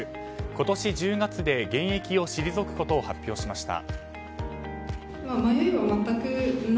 今年１０月で現役を退くことを発表しました。